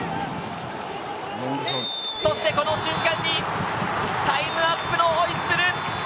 そしてこの瞬間に、タイムアップのホイッスル！